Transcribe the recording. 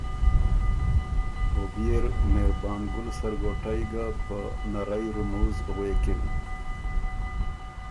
او بيې ر مهربان ګُل سرګوټئ ګه په نَرئ رموز غوېکِن